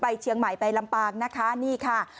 ไปเชียงใหม่ไปลำปางนะคะ